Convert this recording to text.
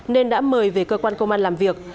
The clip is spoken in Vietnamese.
nên đã mời về cơ quan công an làm việc